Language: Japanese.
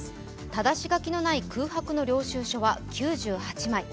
ただし書きのない空白の領収書は９８枚。